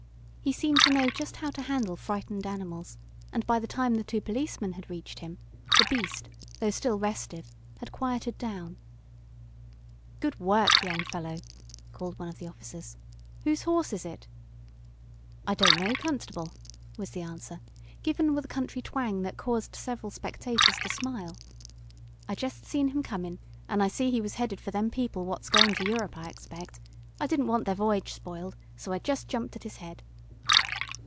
He seemed to know just how to handle frightened animals, and by the time the two policemen had reached him, the beast, though still restive, had quieted down. "Good work, young fellow!" called one of the officers. "Whose horse is it?" "I don't know, constable," was the answer, given with a country twang that caused several spectators to smile. "I jest seen him comin' and I see he was headed for them people what's goin' to Europe, I expect. I didn't want their voyage spoiled, so I jest jumped at his head."